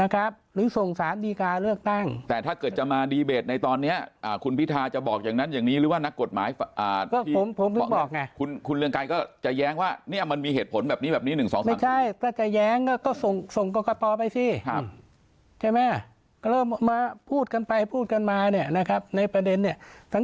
กรกตามีหน้าที่ตรวจสอบกรกตามีหน้าที่ส่งสารรัฐมนูญ